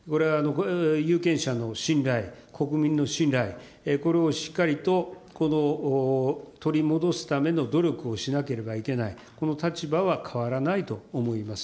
有権者の信頼、国民の信頼、これをしっかりとこの取り戻すための努力をしなければいけない、この立場は変わらないと思います。